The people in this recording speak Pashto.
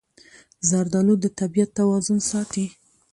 زردالو د طبیعت توازن ساتي.